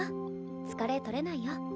疲れ取れないよ。